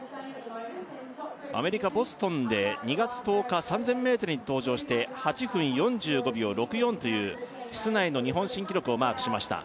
アメリカ・ボストンで２月１０日３０００ｍに登場して８分４５秒６４という室内の日本新記録をマークしました